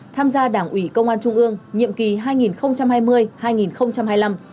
tham gia đảng ủy công an trung ương nhiệm kỳ hai nghìn hai mươi hai nghìn hai mươi năm